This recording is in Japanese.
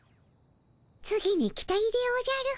次に期待でおじゃる。